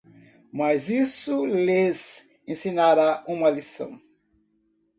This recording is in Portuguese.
Mas isso lhes ensinará uma lição.